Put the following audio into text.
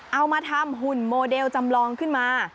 เอามาทำหุ่นโมเดลจำลองขึ้นมา